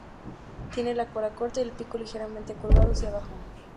Tiene la cola corta y el pico ligeramente curvado hacia abajo.